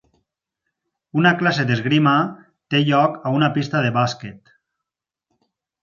Una classe d'esgrima té lloc a una pista de bàsquet.